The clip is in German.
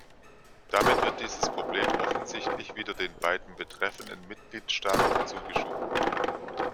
Damit wird dieses Problem offensichtlich wieder den beiden betreffenden Mitgliedstaaten zugeschoben.